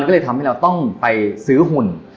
และมันก็เลยทำให้เราไปซื้อหุ่น